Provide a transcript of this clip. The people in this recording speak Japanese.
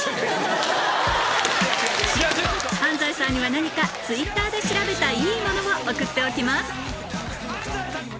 安斉さんには何かＴｗｉｔｔｅｒで調べたいいものを送っておきます